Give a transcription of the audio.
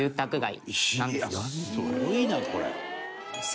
いやすごいなこれ。